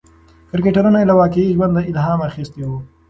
کرکټرونه یې له واقعي ژوند الهام اخیستی و.